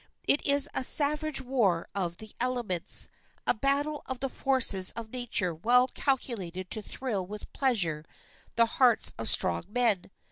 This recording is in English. It is a savage war of the elements a battle of the forces of nature well calculated to thrill with pleasure the hearts of strong men.